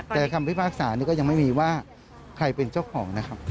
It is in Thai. แต่คำพิพากษานี้ก็ยังไม่มีว่าใครเป็นเจ้าของนะครับ